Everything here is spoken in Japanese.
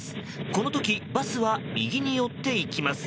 この時バスは右に寄っていきます。